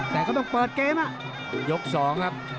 แต่ก็ต้องเปิดเกมแน่งยกสองครับ